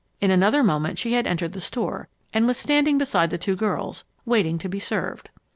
In another moment she had entered the store and was standing beside the two girls, waiting to be served.